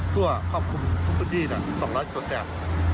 ทั่วครอบคุมทุกสถานทบุรี๒๐๐จุด